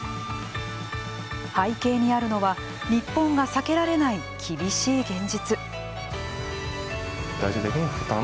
背景にあるのは日本が避けられない厳しい現実。